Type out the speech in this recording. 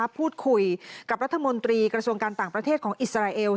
พูดคุยกับรัฐมนตรีกระทรวงการต่างประเทศของอิสราเอล